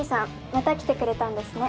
また来てくれたんですね